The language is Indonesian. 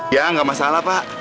ya gak masalah pak